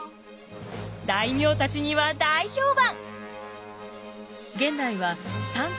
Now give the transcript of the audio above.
大名たちには大評判。